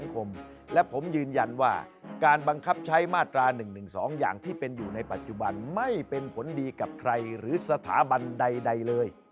และผมยืนยันว่าการบังคับใช้มาตรา๑๑๒อย่างที่เป็นอยู่ในปัจจุบันไม่เป็นผลดีกับใครหรือสถาบันใดเลย